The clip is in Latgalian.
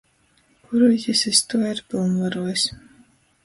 Kuru jis iz tuo ir pylnvaruojs.